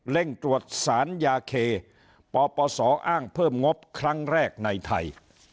ตรวจสารยาเคปปศอ้างเพิ่มงบครั้งแรกในไทย